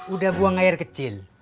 udah buang air kecil